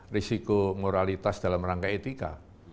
psikomoralitas dalam rangka etika